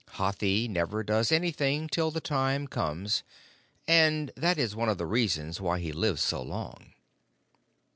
Hathi never does anything till the time comes, and that is one of the reasons why he lives so long.